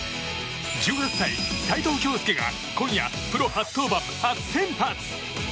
１８歳、齋藤響介が今夜プロ初登板・初先発。